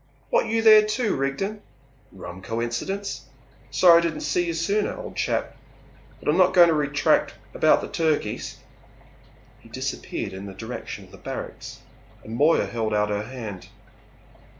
What, you there too, Rigden? Rum coincidence! Sorry I didn't see you sooner, old chap; but I'm not going to retract about the turkeys." He disappeared in the direction of the barracks, and Moya held out her hand.